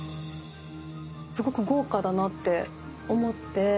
すごく豪華だなって思って。